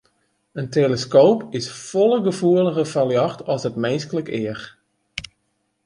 In teleskoop is folle gefoeliger foar ljocht as it minsklik each.